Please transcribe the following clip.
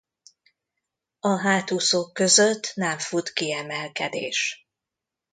A hátúszók között nem fut kiemelkedés.